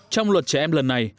trong luật trẻ em lần này